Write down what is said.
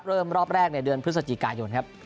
เริ่มรอบแรกในเดือนพฤศจิกายนครับ